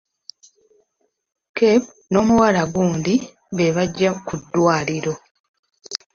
Cape n'omuwala gundi beebajja ku ddwaliro.